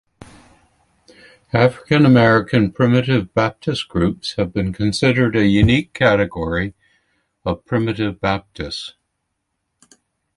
African-American Primitive Baptist groups have been considered a unique category of Primitive Baptist.